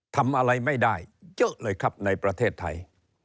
ทำอะไรไม่ได้เยอะเลยครับในประเทศไทย